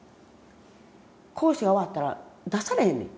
講師が終わったら出されへんねん。